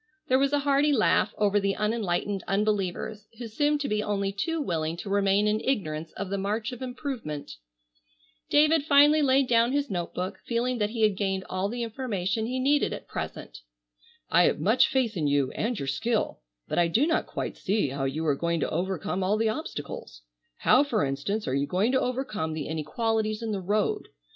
'" There was a hearty laugh over the unenlightened unbelievers who seemed to be only too willing to remain in ignorance of the march of improvement. David finally laid down his note book, feeling that he had gained all the information he needed at present. "I have much faith in you and your skill, but I do not quite see how you are going to overcome all the obstacles. How, for instance, are you going to overcome the inequalities in the road?